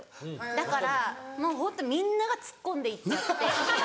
だからもうホントみんなが突っ込んでいっちゃって。